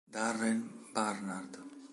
Darren Barnard